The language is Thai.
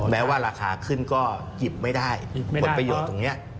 แม้ว่าราคาขึ้นก็หยิบไม่ได้ผลประโยชน์ตรงนี้